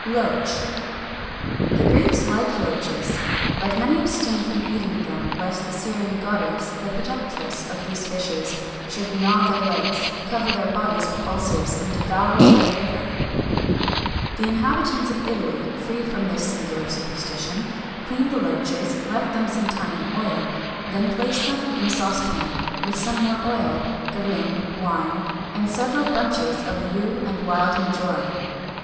[XXI 204] LOACH. The Greeks liked loaches,[XXI 205] but many abstained from eating them, lest the Syrian goddess, the protectress of these fishes, should gnaw their legs, cover their bodies with ulcers, and devour their liver.[XXI 206] The inhabitants of Italy, free from this singular superstition, cleaned the loaches, left them some time in oil, then placed them in a saucepan with some more oil, garum, wine, and several bunches of rue and wild marjoram.